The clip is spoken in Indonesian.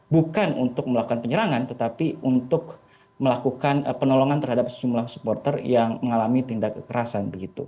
bukan untuk melakukan penyerangan tetapi untuk melakukan penolongan terhadap sejumlah supporter yang mengalami tindak kekerasan